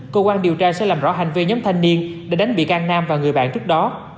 cơ quan điều tra sẽ làm rõ hành vi nhóm thanh niên để đánh bị can nam và người bạn trước đó